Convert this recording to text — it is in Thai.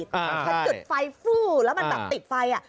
ทั้งค่ำกระจุดไฟฟู้แล้วมันติดไฟ